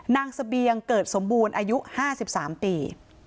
เสบียงเกิดสมบูรณ์อายุ๕๓ปี